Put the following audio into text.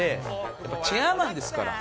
やっぱチェアマンですから。